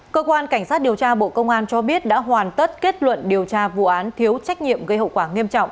cơ quan cảnh sát điều tra bộ công an cho biết đã hoàn tất kết luận điều tra vụ án thiếu trách nhiệm gây hậu quả nghiêm trọng